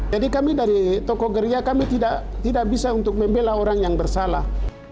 jadi kami dari tokoh gereja kami tidak bisa untuk membela orang yang bersalah